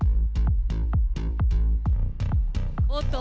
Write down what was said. おっと？